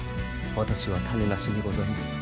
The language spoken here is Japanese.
私は種無しにございます！